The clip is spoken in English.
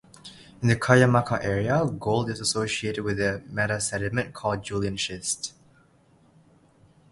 In the Cuyamaca area, gold is associated with the metasediment called Julian Schist.